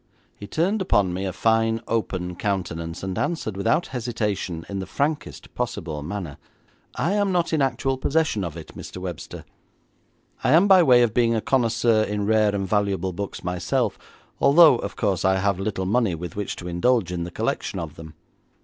He turned upon me a fine, open countenance, and answered without hesitation in the frankest possible manner, 'I am not in actual possession of it, Mr. Webster. I am by way of being a connoisseur in rare and valuable books myself, although, of course, I have little money with which to indulge in the collection of them.